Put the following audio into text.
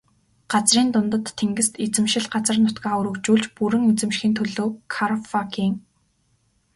Газрын дундад тэнгист эзэмшил газар нутгаа өргөжүүлж бүрэн эзэмшихийн төлөө Карфаген.